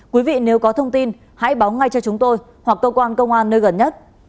quý vị nếu có thông tin hãy báo ngay cho chúng tôi hoặc cơ quan công an nơi gần nhất